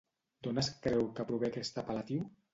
D'on es creu que prové aquest apel·latiu?